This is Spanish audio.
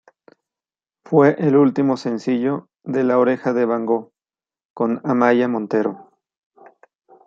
Fue el último sencillo de "La Oreja de Van Gogh" con Amaia Montero.